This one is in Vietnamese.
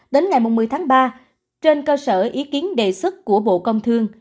đến ngày một mươi tháng ba trên cơ sở ý kiến đề xuất của bộ công thương